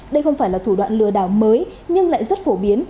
đây không phải là thủ đoạn lừa đảo mới nhưng lại rất phổ biến